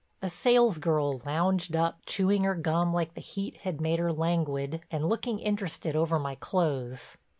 A sales girl lounged up, chewing her gum like the heat had made her languid, and looking interested over my clothes.